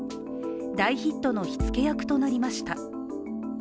大ヒットの火付け役となりました。